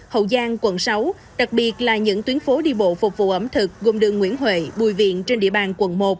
hậu giang quận sáu đặc biệt là những tuyến phố đi bộ phục vụ ẩm thực gồm đường nguyễn huệ bùi viện trên địa bàn quận một